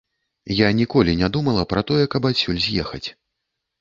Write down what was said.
Я ніколі не думала пра тое, каб адсюль з'ехаць.